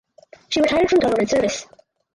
She retired from government service.